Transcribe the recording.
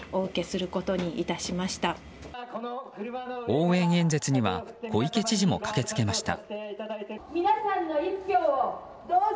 応援演説には小池知事も駆けつけました。